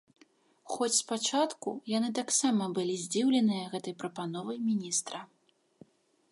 Хоць спачатку яны таксама былі здзіўленыя гэтай прапановай міністра.